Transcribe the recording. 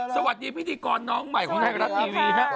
สวัสดีพิธีกรน้องใหม่ของไทยรัฐทีวี